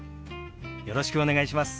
よろしくお願いします。